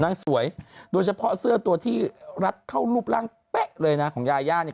นางสวยโดยเฉพาะเสื้อตัวที่รัดเข้ารูปร่างเป๊ะเลยนะของยาย่าเนี่ย